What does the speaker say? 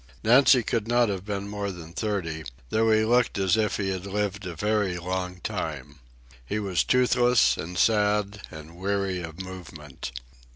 Nancy could not have been more than thirty, though he looked as if he had lived a very long time. He was toothless and sad and weary of movement.